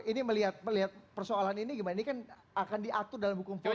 ini melihat persoalan ini gimana ini kan akan diatur dalam hukum pidana